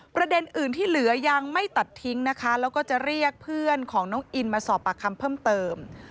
ประเด็นอื่นที่เหลือยังไม่ตัดทิ้งนะคะแล้วก็จะเรียกเพื่อนของน้องอินมาสอบปากคำเพิ่มเติม